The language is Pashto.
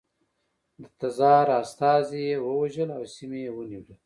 د تزار استازي یې ووژل او سیمې یې ونیولې.